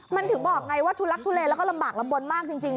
มันถึงบอกไงว่าทุลักทุเลแล้วก็ลำบากลำบลมากจริง